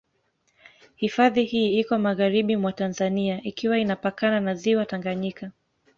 Hifadhi hii iko magharibi mwa Tanzania ikiwa inapakana na Ziwa Tanganyika.